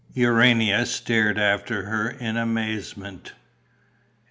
Urania stared after her in amazement.